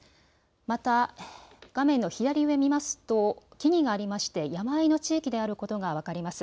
また、画面の左上を見ますと木々がありまして山間の地域であることが分かります。